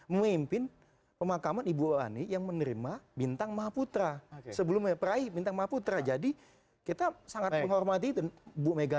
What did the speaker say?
memimpin pemakaman ibu ani yang menerima bintang maha putra sebelumnya peraih bintang maha putra jadi kita sangat menghormati itu bu mega datang